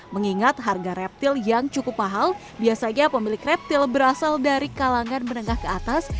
mengingat harga reptil yang cukup mahal biasanya pemilik reptil berasal dari kalangan menengah ke atas